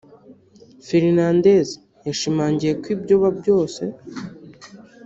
Fernandez yashimangiye ko ibyo byose nta handi biva atari ubuyobozi bwiza burangajwe imbere na Perezida Paul Kagame